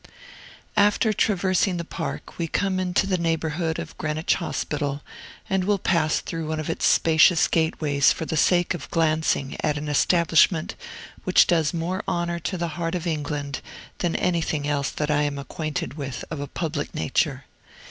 After traversing the Park, we come into the neighborhood of Greenwich Hospital, and will pass through one of its spacious gateways for the sake of glancing at an establishment which does more honor to the heart of England than anything else that I am acquainted with, of a public nature.